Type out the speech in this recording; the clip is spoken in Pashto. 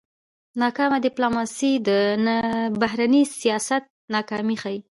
ناکامه ډيپلوماسي د بهرني سیاست ناکامي ښيي.